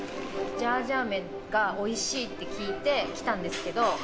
ジャージャー麺がおいしいって聞いて来たんですけど。